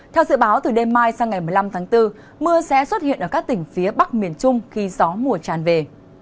theo dự báo từ đêm mai sang ngày một mươi năm tháng bốn mưa sẽ xuất hiện ở các tỉnh phía bắc miền trung khi gió mùa tràn về